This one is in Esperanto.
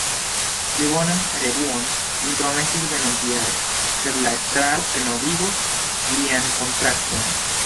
Pli bonan revuon li promesis venontjare se la estraro renovigos lian kontrakton.